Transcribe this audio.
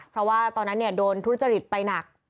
เพราะว่าตอนนั้นโดนทุจริตไปหนัก